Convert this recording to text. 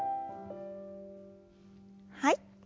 はい。